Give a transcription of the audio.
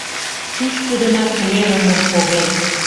Чӱчкыдынак пленумым поген.